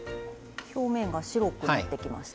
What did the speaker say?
表面が白くなってきました。